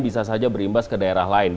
bisa saja berimbas ke daerah lain